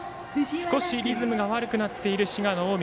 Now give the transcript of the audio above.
少しリズムが悪くなっている滋賀の近江。